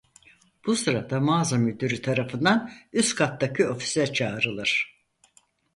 Bu sırada mağaza müdürü tarafından üst kattaki ofise çağrılır.